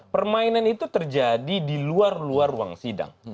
permainan itu terjadi di luar luar ruang sidang